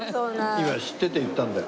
今知ってて言ったんだよ。